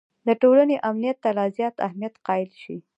د ټولنې امنیت ته لا زیات اهمیت قایل شي.